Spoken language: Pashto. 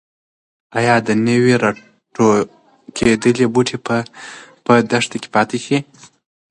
ایا د نوي راټوکېدلي بوټي به په دښته کې پاتې شي؟